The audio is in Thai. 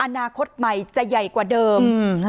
อนาคตใหม่จะใหญ่กว่าเดิม